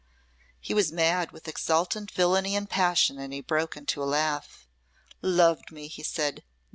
He was mad with exultant villainy and passion, and he broke into a laugh. "Loved me!" he said.